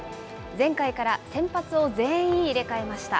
前回から先発を全員入れ替えました。